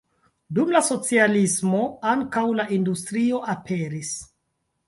Dum la socialismo ankaŭ la industrio aperis.